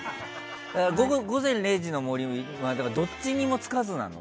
「午前０時の森」はどっちにもつかずなの？